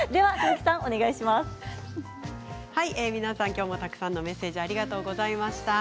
皆さんきょうもたくさんのメッセージありがとうございました。